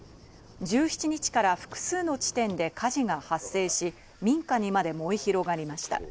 １７日から複数の地点で火事が発生し、民家にまで燃え広がりました。